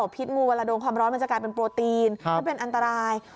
พิษงูเวลาโดนความร้อนมันจะกลายเป็นโปรตีนที่เป็นอันตราย